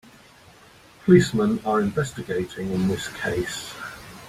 Policemen are investigating in this case.